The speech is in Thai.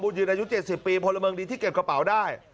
ยืนอายุ๗๐ปีพลเมืองดีที่เก็บกระเป๋าได้